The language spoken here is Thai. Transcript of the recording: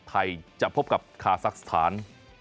ไทยจะพบกับคาซักสถาน